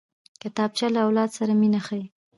کتابچه له اولاد سره مینه ښيي